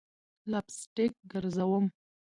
لپ سټک ګرزوم